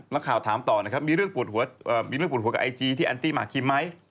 แล้วข่าวถามต่อนะครับมีเรื่องปวดหัวกับไอจีที่อันตี้หมากคิมไหม